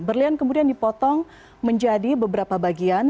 berlian kemudian dipotong menjadi beberapa bagian